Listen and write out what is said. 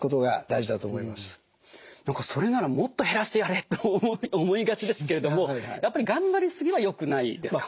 何かそれならもっと減らしてやれって思いがちですけれどもやっぱり頑張り過ぎはよくないですか？